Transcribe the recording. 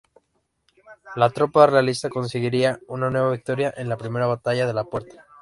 La tropa realista conseguiría una nueva victoria en la Primera Batalla de La Puerta.